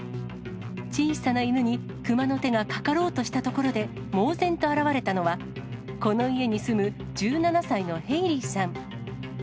小さな犬に、熊の手がかかろうとしたところで、猛然と現れたのは、この家に住む１７歳のヘイリーさん。